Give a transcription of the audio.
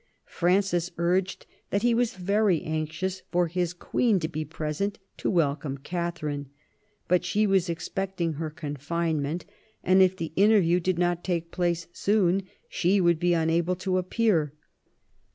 Francis urged that he was very anxious for his queen to be present to welcome Katharine ; but she was expecting her confine ment, and if the interview did not take place soon she would be unable to appear.